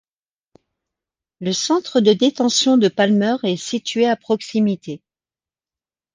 Le centre de détention de Palmer est situé à proximité.